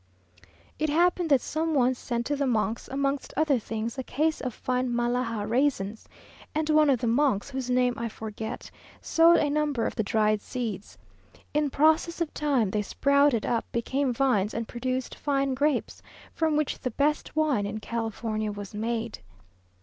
It happened that some one sent to the monks, amongst other things, a case of fine Malaga raisins; and one of the monks, whose name I forget, sowed a number of the dried seeds. In process of time they sprouted up, became vines, and produced fine grapes, from which the best wine in California was made.